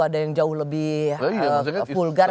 ada yang jauh lebih vulgar